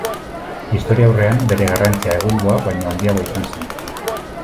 Historiaurrean bere garrantzia egungoa baino handiagoa izan zen.